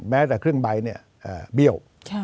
แม้แต่เครื่องใบเบี้ย